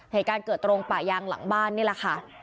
เหตุการณ์เกิดตรงป่ายางหลังบ้านนี่แหละค่ะ